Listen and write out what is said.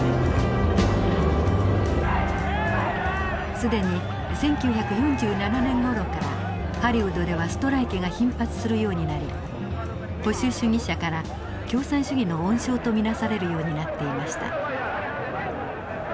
既に１９４７年ごろからハリウッドではストライキが頻発するようになり保守主義者から共産主義の温床と見なされるようになっていました。